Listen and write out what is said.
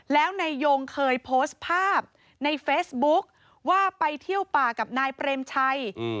แล้วนายยงเคยโพสต์ภาพในเฟซบุ๊คว่าไปเที่ยวป่ากับนายเปรมชัย